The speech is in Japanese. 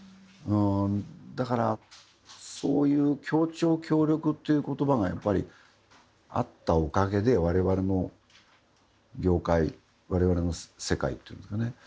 だからそういう協調協力っていうことばがあったおかげでわれわれの業界われわれの世界っていうんですかね